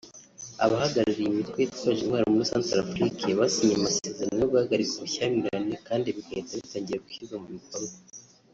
Abahagarariye imitwe yitwaje intwaro muri Centrafrique basinye amasezerano yo guhagarika ubushyamirane kandi bigahita bitangira gushyirwa mu bikorwa